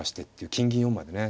金銀４枚でね